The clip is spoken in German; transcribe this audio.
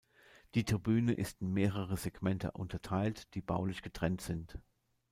Die Tribüne ist in mehrere Segmente unterteilt, die baulich getrennt sind.